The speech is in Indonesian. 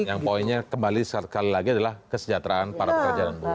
yang poinnya kembali sekali lagi adalah kesejahteraan para pekerja dan buruh